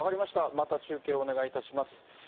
また中継、お願いいたします。